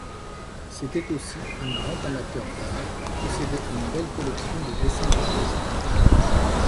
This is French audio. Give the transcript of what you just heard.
C'était aussi un grand amateur d'art, qui possédait une belle collection de dessins d'artistes.